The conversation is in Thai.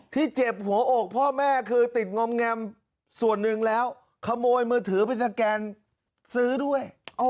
เจ็บหัวอกพ่อแม่คือติดงอมแงมส่วนหนึ่งแล้วขโมยมือถือไปสแกนซื้อด้วย